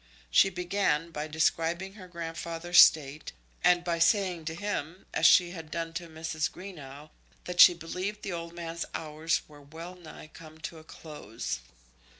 She began by describing her grandfather's state, and by saying to him, as she had done to Mrs. Greenow, that she believed the old man's hours were well nigh come to a close.